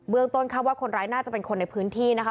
ต้นข้าวว่าคนร้ายน่าจะเป็นคนในพื้นที่นะคะ